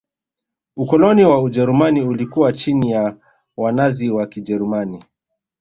ukoloni wa ujerumani ulikuwa chini ya wanazi wa kijerumani